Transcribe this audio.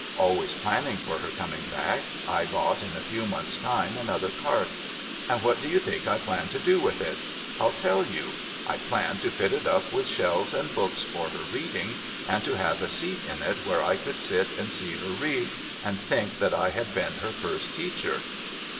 Always planning for her coming back, I bought in a few months' time another cart, and what do you think I planned to do with it ? I'll tell you. I planned to fit it up with shelves and books for her reading, and to have a seat in it where I could sit and see her read, and think that I had been her first teacher.